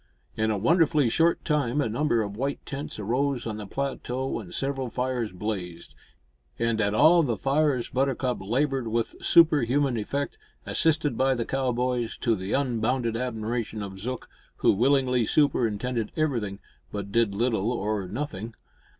In a wonderfully short time a number of white tents arose on the plateau and several fires blazed, and at all the fires Buttercup laboured with superhuman effect, assisted by the cowboys, to the unbounded admiration of Zook, who willingly superintended everything, but did little or nothing.